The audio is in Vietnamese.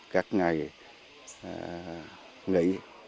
các ngày nghỉ